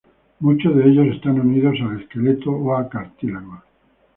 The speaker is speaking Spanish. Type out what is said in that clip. Muchos de ellos están unidos al esqueleto o a cartílagos.